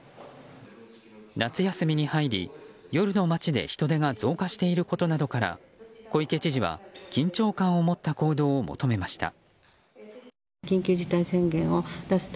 夏休みに入り、夜の街で人出が増加していることなどから小池知事は緊張感を持った行動を求めました。